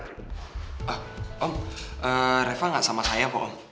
ternyata reva gak sama saya om